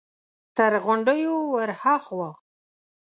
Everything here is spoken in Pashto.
تر غونډيو ور هاخوا!